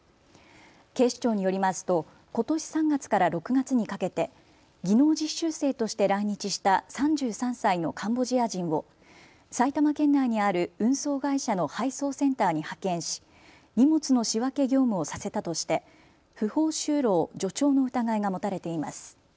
警視庁によりますとことし３月から６月にかけて技能実習生として来日した３３歳のカンボジア人を埼玉県内にある運送会社の配送センターに派遣し荷物の仕分け業務をさせたとして不法就労助長の疑いが持たれています。